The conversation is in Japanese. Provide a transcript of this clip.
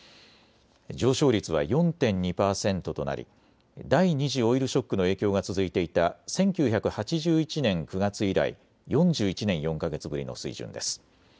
上昇率は４．２％となり第２次オイルショックの影響が続いていた１９８１年９月以来、４１年４か月ぶりの水準です。